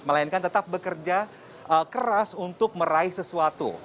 melainkan tetap bekerja keras untuk meraih sesuatu